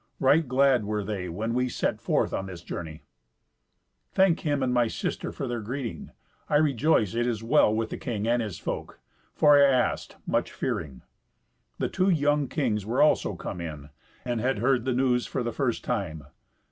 Right glad were they when we set forth on this journey." "Thank him and my sister for their greeting. I rejoice that it is well with the king and his folk, for I asked, much fearing." The two young kings were also come in, and had heard the news for the first time.